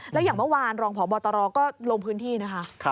แล้วอย่างเมื่อวานรองพบตรก็ลงพื้นที่นะคะ